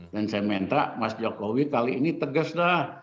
dan saya minta mas jokowi kali ini tegas dah